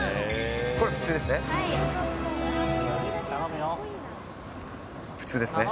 これ、普通ですね。